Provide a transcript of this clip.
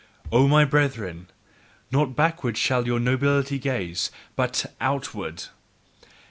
O my brethren, not backward shall your nobility gaze, but OUTWARD!